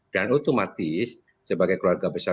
dan otomatis sebagai keluarga besar